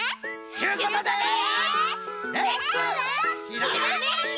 ちゅうことでレッツひらめき！